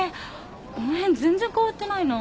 この辺全然変わってないな。